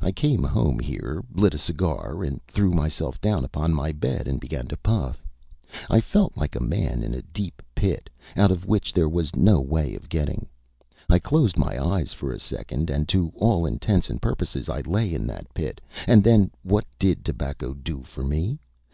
I came home here, lit a cigar, and threw myself down upon my bed and began to puff. I felt like a man in a deep pit, out of which there was no way of getting. I closed my eyes for a second, and to all intents and purposes I lay in that pit. And then what did tobacco do for me?